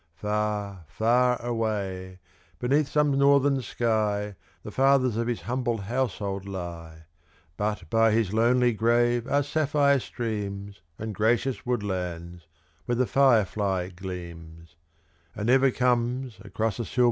Far, far away, beneath some northern sky The fathers of his humble household lie; But by his lonely grave are sapphire streams, And gracious woodlands, where the fire fly gleams; And ever comes across a silver lea The hymn sublime of the eternal sea.